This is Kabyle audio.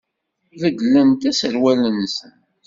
Beddlen-d aserwal-nsen?